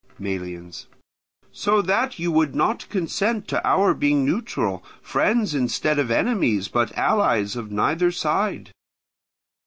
Melians. So that you would not consent to our being neutral, friends instead of enemies, but allies of neither side.